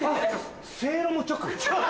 せいろも直？